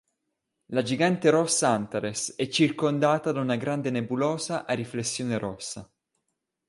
La gigante rossa Antares è circondata da una grande nebulosa a riflessione rossa.